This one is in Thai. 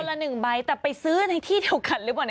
ละหนึ่งใบแต่ไปซื้อในที่เดียวกันหรือเปล่านะ